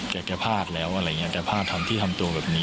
แกพลาดแล้วอะไรอย่างนี้แกพลาดทำที่ทำตัวแบบนี้